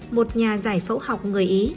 một nhà giải phẫu học người ý